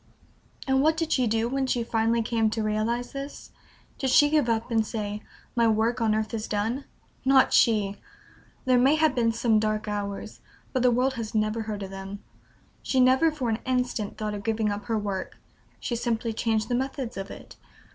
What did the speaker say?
And what did she do when she finally came to realize this? Did she give up, and say, "My work on earth is done?" Not she! There may have been some dark hours, but the world has never heard of them. She never for an instant thought of giving up her work; she simply changed the methods of it.